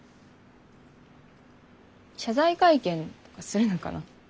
謝罪会見とかするのかな。